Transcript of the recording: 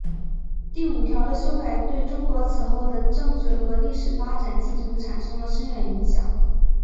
第五条的修改对中国此后的政治和历史发展进程产生了深远影响。